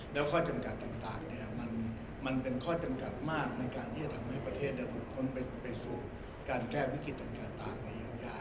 แล้วข้อจำกัดต่างมันเป็นข้อจำกัดมากในการที่จะทำให้ประเทศหลุดพ้นไปสู่การแก้วิกฤตต่างระยะยาก